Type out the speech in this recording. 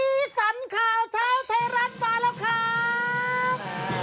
มีสรรค่าเช้าไทยร้านมาแล้วครับ